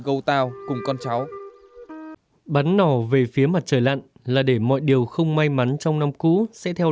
gâu tao cùng con cháu bắn nỏ về phía mặt trời lặn là để mọi điều không may mắn trong năm cũ sẽ theo